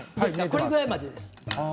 これぐらいまでです。